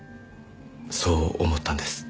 そう思ったんです。